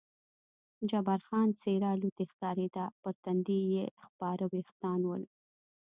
جبار خان څېره الوتی ښکارېده، پر تندي یې خپاره وریښتان.